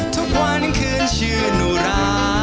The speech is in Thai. ทุกวันคืนชื่อหนูรา